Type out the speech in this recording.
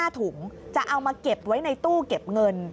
๕ถุงจะเอามาเก็บไว้ในตู้เก็บเงิน